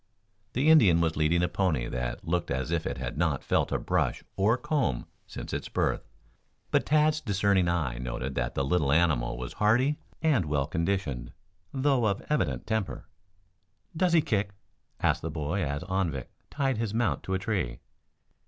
The Indian was leading a pony that looked as if it had not felt a brush or comb since its birth, but Tad's discerning eye noted that the little animal was hardy and well conditioned, though of evident temper. "Does he kick?" asked the boy, as Anvik tied his mount to a tree.